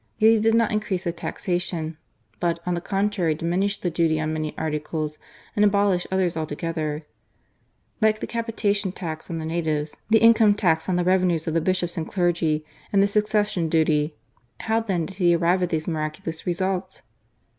Yet he did not increase the taxation, but, on the contrary, diminished the duty on many articles, and abolished others altogether; like the capitation tax on the natives, the income tax on the revenues of the bishops and clergy, and the suc cession duty. How then did he arrive at these miraculous results